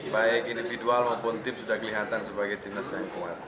baik individual maupun tim sudah kelihatan sebagai timnas yang kuat